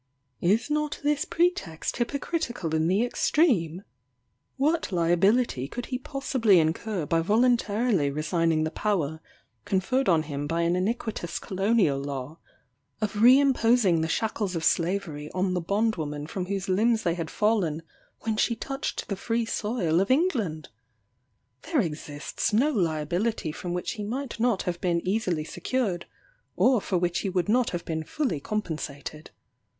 Is not this pretext hypocritical in the extreme? What liability could he possibly incur by voluntarily resigning the power, conferred on him by an iniquitous colonial law, of re imposing the shackles of slavery on the bondwoman from whose limbs they had fallen when she touched the free soil of England? There exists no liability from which he might not have been easily secured, or for which he would not have been fully compensated.